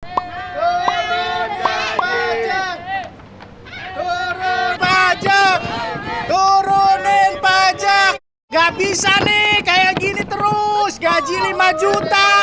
hai turunin pajak turunin pajak turunin pajak nggak bisa nih kayak gini terus gaji lima juta